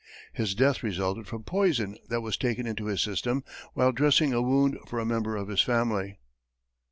His death resulted from poison that was taken into his system while dressing a wound for a member of his family.